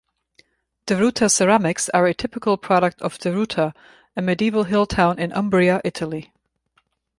Deruta ceramics are a typical product of Deruta, a medieval hilltown in Umbria, Italy.